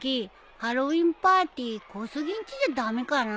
ハロウィーンパーティー小杉んちじゃ駄目かな。